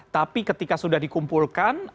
tapi ketika sudah dikumpulkan